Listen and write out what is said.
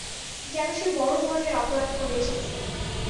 যেন সে বড় ধরনের অপরাধ করে এসেছে।